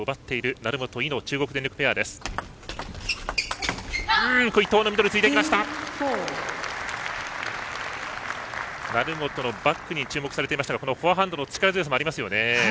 成本のバックに注目されてましたがこのフォアハンドの力強さもありますよね。